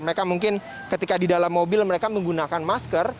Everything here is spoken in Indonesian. mereka mungkin ketika di dalam mobil mereka menggunakan masker